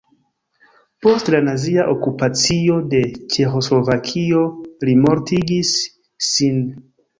Post la nazia okupacio de Ĉeĥoslovakio li mortigis sin.